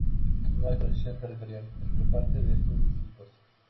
No hay conexión territorial entre parte de estos distritos.